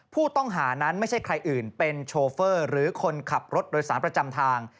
ผู้ต้องหานั้นไม่ใช่ใครอื่นเป็นโชเฟอร์หรือคนขับรถโดยสารประจำทาง